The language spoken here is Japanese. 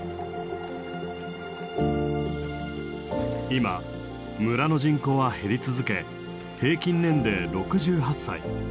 今村の人口は減り続け平均年齢６８歳。